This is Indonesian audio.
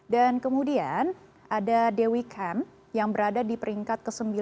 dan kemudian ada dewi kam yang berada di peringkat ke sembilan